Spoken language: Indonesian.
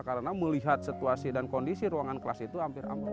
karena melihat situasi dan kondisi ruangan kelas itu hampir amat buruk